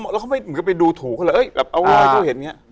แล้วเขาไปดูถูกก็แบบเอ้ยเอาอะไรก็เห็นอย่างนี้